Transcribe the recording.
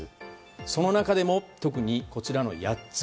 その中でも特にこちらの８つ。